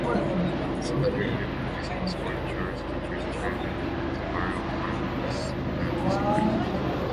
Secondly, helping with household chores teaches children the value of hard work and discipline.